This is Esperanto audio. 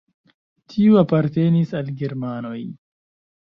Tiu apartenis al germanoj.